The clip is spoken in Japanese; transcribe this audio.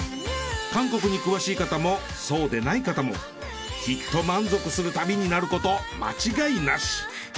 韓国に詳しい方もそうでない方もきっと満足する旅になること間違いなし！